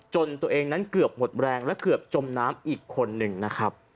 ตัวเองนั้นเกือบหมดแรงและเกือบจมน้ำอีกคนนึงนะครับ